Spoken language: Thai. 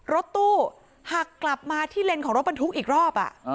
รถตู้หักกลับมาที่เลนของรถบรรทุกอีกรอบ